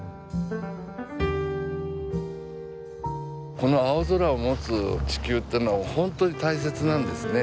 この青空を持つ地球ってのは本当に大切なんですね。